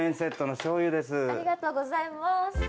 ありがとうございます。